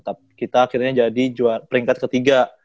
tapi kita akhirnya jadi peringkat ketiga